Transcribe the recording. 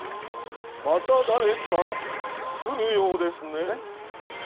また誰か来るようです